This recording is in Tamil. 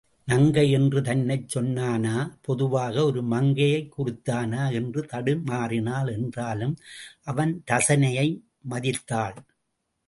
நங்கை என்று தன்னைச் சொன்னானா பொதுவாக ஒரு மங்கையக் குறித்தானா என்று தடுமாறினாள் என்றாலும் அவன் ரசனையை மதித்தாள்.